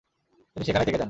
তিনি সেখানেই থেকে যান।